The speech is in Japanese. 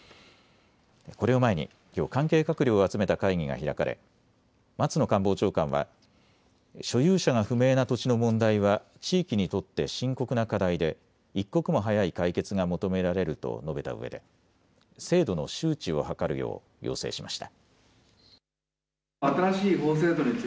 これを前にきょう関係閣僚を集めた会議が開かれ松野官房長官は所有者が不明な土地の問題は地域にとって深刻な課題で一刻も早い解決が求められると述べたうえで制度の周知を図るよう要請しました。